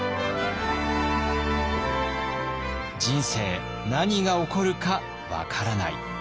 人生何が起こるか分からない。